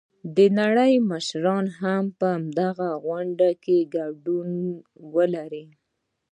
د نړۍ مشران به هم په غونډه کې ګډون ولري.